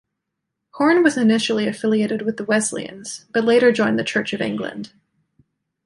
Horne was initially affiliated with the Wesleyans but later joined the Church of England.